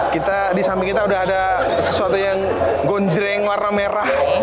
kita di samping kita udah ada sesuatu yang gonjring warna merah